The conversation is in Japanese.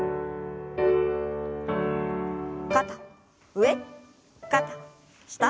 肩上肩下。